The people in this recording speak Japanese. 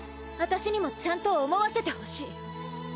私にもちゃんと思わせてほしい。